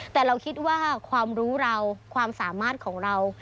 แต่เราคิดว่าความรู้เราความสามารถของเรา